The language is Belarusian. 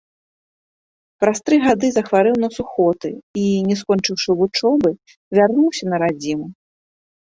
Праз тры гады захварэў на сухоты і, не скончыўшы вучобы, вярнуўся на радзіму.